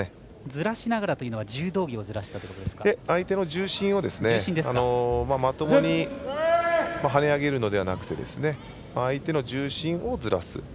ずらしながらというのは柔道着を相手の重心をまともに跳ね上げるのではなくて相手の重心をずらす。